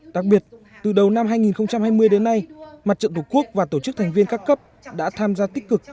đặc biệt từ đầu năm hai nghìn hai mươi đến nay mặt trận tổ quốc và tổ chức thành viên các cấp đã tham gia tích cực